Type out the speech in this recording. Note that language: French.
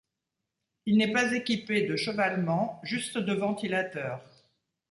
Il n'est pas équipé de chevalement, juste de ventilateurs.